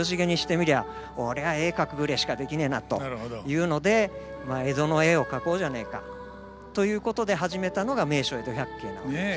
みりゃ「俺は絵描くぐれえしかできねえな」というので江戸の絵を描こうじゃねえかということで始めたのが「名所江戸百景」なわけです。